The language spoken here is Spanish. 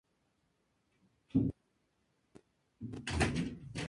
Ganó el premio de la Sociedad Filantrópica de Guayaquil en dos ocasiones.